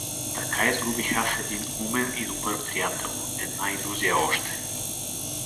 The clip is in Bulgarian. Така изгубих аз един умен и добър приятел, една илюзия още!